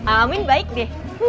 amin baik deh